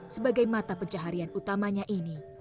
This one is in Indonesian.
sebagai mata pencaharian utamanya ini